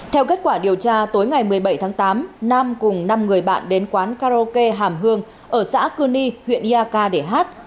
theo kết quả điều tra tối ngày một mươi bảy tháng tám nam cùng năm người bạn đến quán karaoke hàm hương ở xã cư ni huyện iak để hát